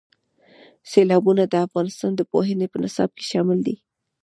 سیلابونه د افغانستان د پوهنې په نصاب کې شامل دي.